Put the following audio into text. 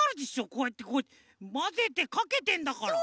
こうやってまぜてかけてんだから。